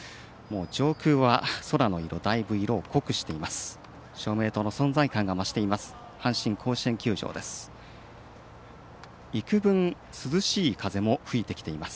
上空は空の色、だいぶ色を濃くしています。